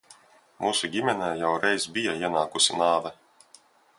Mūsu ģimenē jau reiz bija ienākusi nāve.